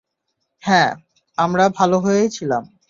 হ্যাঁ, আমরা ভালো হয়েই ছিলাম।